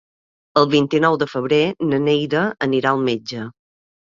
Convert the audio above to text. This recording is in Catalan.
El vint-i-nou de febrer na Neida anirà al metge.